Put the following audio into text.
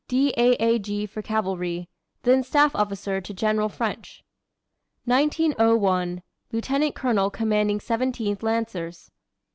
D. A. A. G. for cavalry; then staff officer to General French. 1901. Lieutenant colonel commanding 17th Lancers.